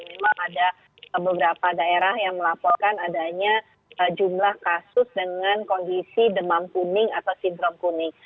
memang ada beberapa daerah yang melaporkan adanya jumlah kasus dengan kondisi demam kuning atau sindrom kuning